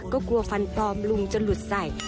ก็กลัวฟันปลอมลุงจะหลุดใส่